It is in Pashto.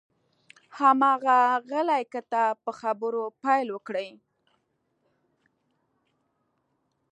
هماغه غلی کتاب په خبرو پیل وکړي.